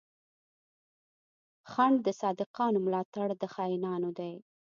خنډ د صادقانو، ملا تړ د خاينانو دی